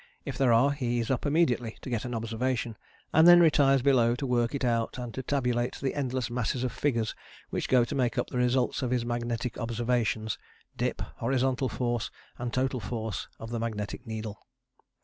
If there are he is up immediately to get an observation, and then retires below to work it out and to tabulate the endless masses of figures which go to make up the results of his magnetic observations dip, horizontal force and total force of the magnetic needle.